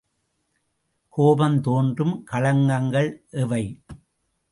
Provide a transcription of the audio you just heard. கோபம் தோன்றும் களங்கள் எவை எவை?